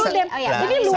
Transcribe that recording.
jadi luar biasa